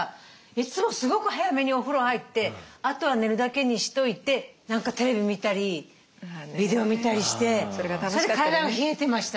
いつもすごく早めにお風呂入ってあとは寝るだけにしといて何かテレビ見たりビデオ見たりしてそれで体が冷えてました